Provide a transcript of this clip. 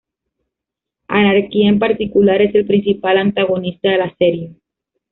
Anarquía, en particular, es el principal antagonista de la serie.